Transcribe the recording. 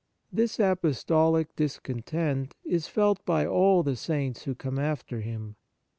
This apostolic discontent is felt by all the Saints who come after him.